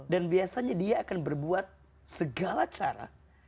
dan biasanya dia akan berbuat segala cara